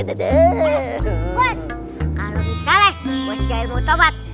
kalau misalnya bos jahil mau tobat